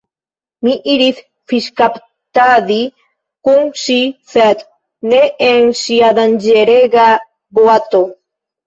Mi iris fiŝkaptadi kun ŝi sed ne en ŝia danĝerega boato.